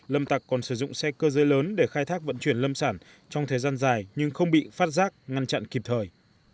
lâm tạc còn sử dụng xe cơ giới lớn để khai thác vận chuyển lâm sản trong thời gian dài nhưng không bị phát giác ngăn chặn kịp thời